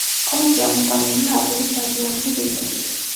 კონქი ამოყვანილია აგურის რადიალური რიგებით.